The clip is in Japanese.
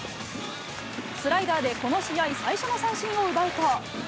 スライダーでこの試合最初の三振を奪うと。